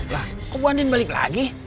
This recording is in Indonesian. lah kok bu andien balik lagi